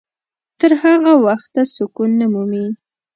تر هغه وخته سکون نه مومي.